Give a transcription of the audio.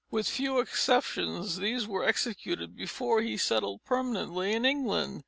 With few exceptions these were executed before he settled permanently in England.